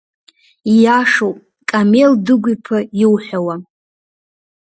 Ииашоуп, Камел Дыгә-иԥа, иуҳәауа…